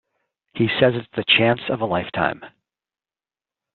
He says it's the chance of a lifetime.